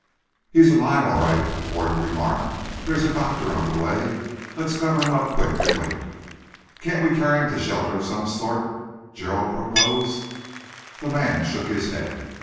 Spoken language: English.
"He's alive all right," the porter remarked. "There's a doctor on the way. Let's cover him up quick and wait." "Can't we carry him to shelter of some sort?" Gerald proposed. The man shook his head.